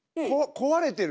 壊れてる？